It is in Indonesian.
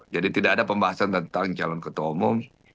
jadi tidak ada pembahasan tentang calon ketua umum